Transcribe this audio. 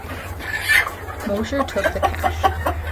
Mosher took the cash.